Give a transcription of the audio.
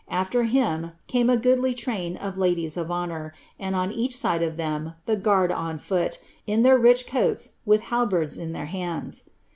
After him, came a goodly train of ladies of 1 and on each side of ihem the guard on foot, in their rich coai halberds in their hands.